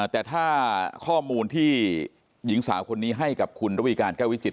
แต่ถ้าข้อมูลที่หญิงสาวคนนี้ให้กับคุณระวีการแก้ววิจิต